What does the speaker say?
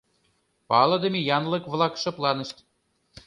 Палыдыме янлык-влак шыпланышт.